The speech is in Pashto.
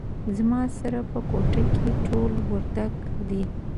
زما سره په کوټه کې ټول وردګ دي